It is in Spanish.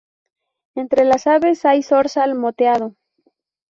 Entre las aves hay zorzal moteado.